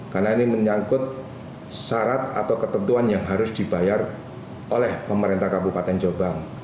karena ini menyangkut syarat atau ketentuan yang harus dibayar oleh pemerintah kabupaten jombang